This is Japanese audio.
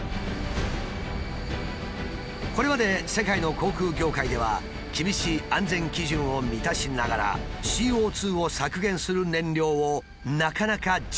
これまで世界の航空業界では厳しい安全基準を満たしながらＣＯを削減する燃料をなかなか実用化できなかった。